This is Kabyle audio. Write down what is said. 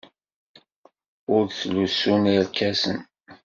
Ur ttlusun irkasen.